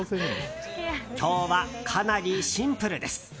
今日は、かなりシンプルです。